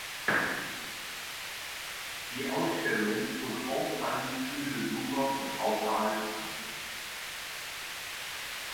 Die Ausstellung zog auffallend viele Besucher von außerhalb an.